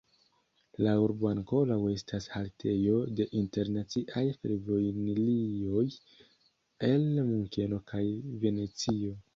La urbo ankaŭ estas haltejo de internaciaj fervojlinioj el Munkeno kaj Venecio.